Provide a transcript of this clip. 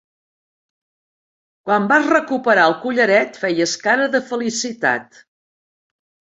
Quan vas recuperar el collaret feies cara de felicitat.